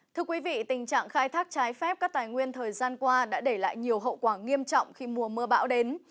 thưa quý vị tình trạng khai thác trái phép các tài nguyên thời gian qua đã để lại nhiều hậu quả nghiêm trọng khi mùa mưa bão đến